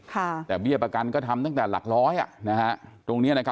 ค่ะแต่เบี้ยประกันก็ทำตั้งแต่หลักร้อยอ่ะนะฮะตรงเนี้ยนะครับ